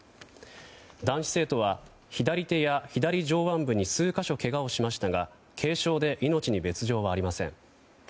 男子生徒は左手や左上腕部に数か所けがをしましたが軽傷で命に別条はありません。